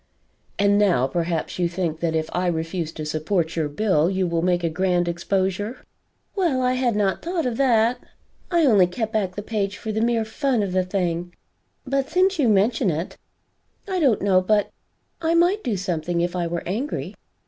"And now perhaps you think that if I refuse to support your bill, you will make a grand exposure?" "Well I had not thought of that. I only kept back the page for the mere fun of the thing; but since you mention it, I don't know but I might do something if I were angry."